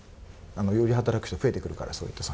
より働く人が増えてくるからそういった産業で。